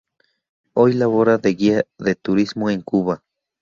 Hoy labora de guía de turismo en Cuba.